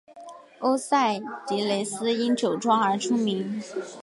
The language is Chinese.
欧塞迪雷斯因酒庄而闻名。